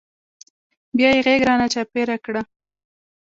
بيا يې غېږ رانه چاپېره کړه.